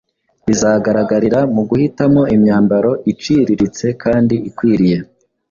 bizagaragarira mu guhitamo imyambaro iciriritse kandi ikwiriye.